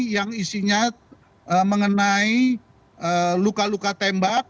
yang isinya mengenai luka luka tembak